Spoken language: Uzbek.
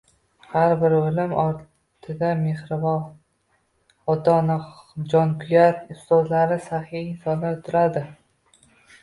Har bir olim ortida mehribon ota-ona, jonkuyar ustozlar, saxiy insonlar turadi.